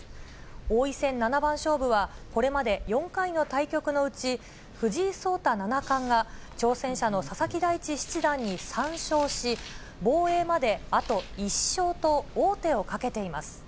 王位戦七番勝負は、これまで４回の対局のうち、藤井聡太七冠が挑戦者の佐々木大地七段に３勝し、防衛まであと１勝と王手をかけています。